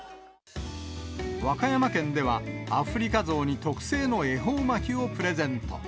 和歌山県では、アフリカゾウに特製の恵方巻をプレゼント。